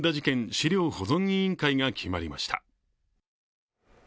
資料保存委員会が決まりました。